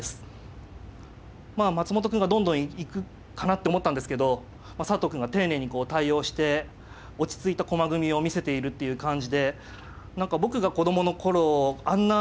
まあ松本くんがどんどん行くかなって思ったんですけど佐藤くんが丁寧にこう対応して落ち着いた駒組みを見せているっていう感じで何か僕が子供の頃あんな